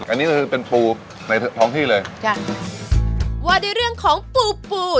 อันนี้ก็คือเป็นปูในท้องที่เลยจ้ะว่าด้วยเรื่องของปูปู